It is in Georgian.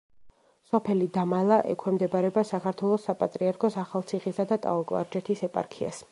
სოფელი დამალა ექვემდებარება საქართველოს საპატრიარქოს ახალციხისა და ტაო-კლარჯეთის ეპარქიას.